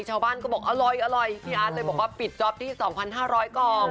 ชาวบ้านก็บอกอร่อยพี่อาร์ตเลยบอกว่าปิดจ๊อปที่๒๕๐๐กล่อง